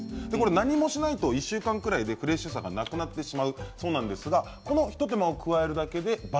何もしないと１週間くらいでフレッシュさがなくなってしまうそうなんですがこの一手間を加えるだけで倍、